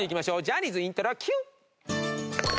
ジャニーズイントロＱ！